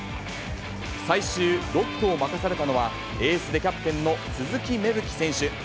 最終６区を任されたのは、エースでキャプテンの鈴木芽吹選手。